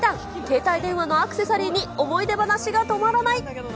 携帯電話のアクセサリーに思い出話が止まらない。